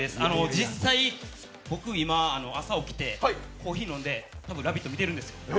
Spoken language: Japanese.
実際、僕、今、朝起きてコーヒー飲んで「ラヴィット！」見てるんですよ。